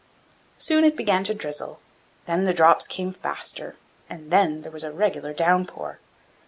Soon it began to drizzle; then the drops came faster, and there was a regular down pour.